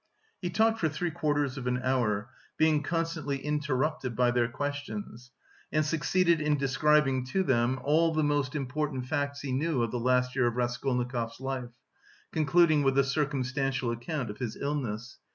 He talked for three quarters of an hour, being constantly interrupted by their questions, and succeeded in describing to them all the most important facts he knew of the last year of Raskolnikov's life, concluding with a circumstantial account of his illness.